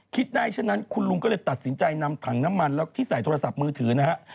คิดได้ฉะนั้นคุณลุงก็เลยตัดสินใจนำถังน้ำมันแล้วที่ใส่โทรศัพท์มือถือนะฮะ